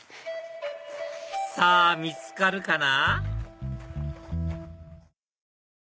さぁ見つかるかな？